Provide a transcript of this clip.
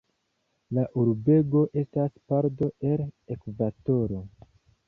La urbego estas pordo al Ekvatoro.